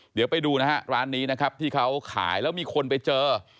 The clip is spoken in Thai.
เดี๋ยวไปดูนะฮะร้านนี้นะครับที่เขาขายแล้วมีคนไปเจอ